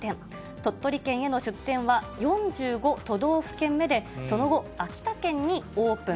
鳥取県への出店は、４５都道府県目で、その後、秋田県にオープン。